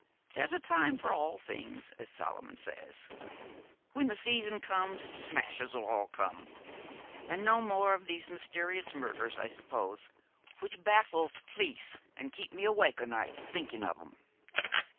There's a time for all things, as Solomon says. When the season comes t'smashes all coom. And no more of these mysterious murders, I suppose, which baffle t'police and keep me awake o' nights thinking of 'em.'